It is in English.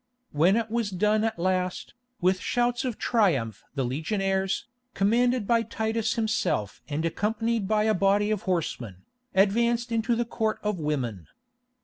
When it was done at last, with shouts of triumph the legionaries, commanded by Titus himself and accompanied by a body of horsemen, advanced into the Court of Women.